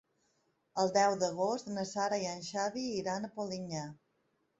El deu d'agost na Sara i en Xavi iran a Polinyà.